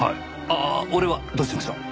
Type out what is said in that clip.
ああ俺はどうしましょう？